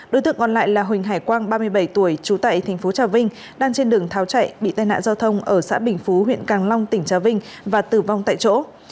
đối tượng còn lại là huỳnh hải quang ba mươi bảy tuổi trú tại tp trà vinh đang trên đường tháo chạy bị tai nạn giao thông ở xã bình phú huyện càng long tỉnh trà vinh và tử vong tại chỗ